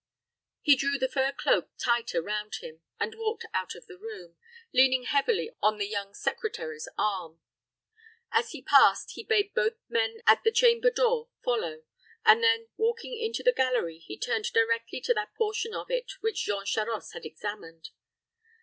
He drew the fur cloak tighter round him, and walked out of the room, leaning heavily on the young secretary's arm. As he passed, he bade both the men at the chamber door follow; and then walking into the gallery, he turned directly to that portion of it which Jean Charost had examined.